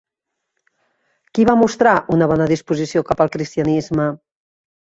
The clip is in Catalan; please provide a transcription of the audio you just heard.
Qui va mostrar una bona disposició cap al cristianisme?